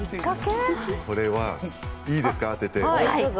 これはいいですか、当てて。